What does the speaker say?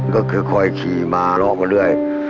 ก็ค่อยขี่มารอกกันด้วย